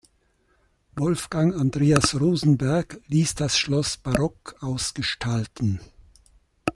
Wolfgang Andreas Rosenberg ließ das Schloss barock ausgestalten.